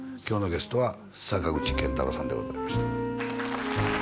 今日のゲストは坂口健太郎さんでございました